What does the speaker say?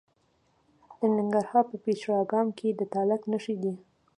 د ننګرهار په پچیر اګام کې د تالک نښې دي.